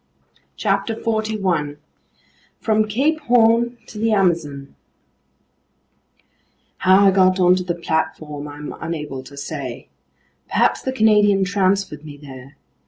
CHAPTER 17 From Cape Horn to the Amazon HOW I GOT ONTO the platform I'm unable to say. Perhaps the Canadian transferred me there.